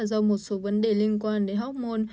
do một số vấn đề liên quan đến học môn